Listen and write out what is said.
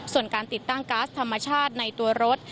ส่วนการติดตั้งก๊าซธรรมชาติในตัวรถ